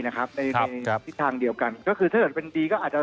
ในทางเดียวกันก็คือถ้าเป็นดีก็อาจจะ